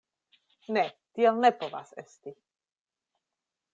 Ne, tiel ne povas esti!